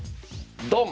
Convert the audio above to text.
ドン！